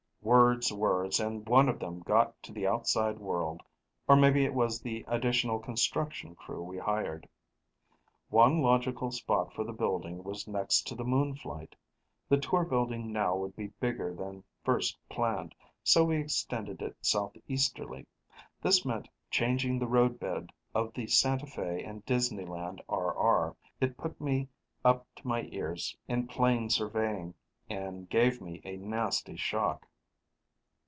Words, words, and one of them got to the outside world. Or maybe it was the additional construction crew we hired. One logical spot for the building was next to the moon flight. The Tour building now would be bigger than first planned, so we extended it southeasterly. This meant changing the roadbed of the Santa Fe & Disneyland R.R. It put me up to my ears in plane surveying and gave me a nasty shock.